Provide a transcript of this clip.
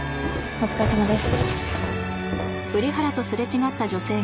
お疲れさまです。